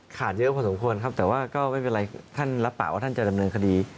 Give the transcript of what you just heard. เยอะพอสมควรครับแต่ว่าก็ไม่เป็นไรท่านรับปากว่าท่านจะดำเนินคดี